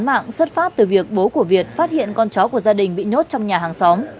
mạng xuất phát từ việc bố của việt phát hiện con cháu của gia đình bị nhốt trong nhà hàng xóm